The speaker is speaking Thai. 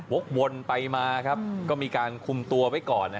วกวนไปมาก็มีการคุมตัวไว้ก่อน